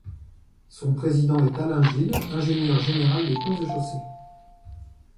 Son président est Alain Gille, ingénieur général des Ponts et Chaussées.